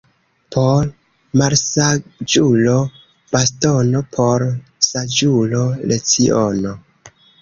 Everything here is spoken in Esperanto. Por malsaĝulo bastono — por saĝulo leciono.